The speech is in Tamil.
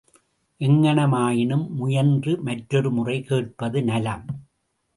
எங்ஙனமாயினும் முயன்று மற்றொருமுறை கேட்பது நலம்.